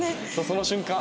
その瞬間